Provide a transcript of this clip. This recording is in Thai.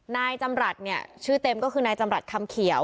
นายจำรัฐเนี่ยชื่อเต็มก็คือนายจำรัฐคำเขียว